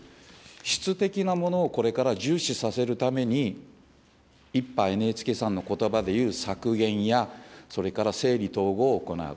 質的なものをこれから重視させるために、１波、ＮＨＫさんのことばでいう削減や、それから整理・統合を行う。